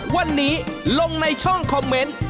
วันนี้ลงในช่องคอมเมนต์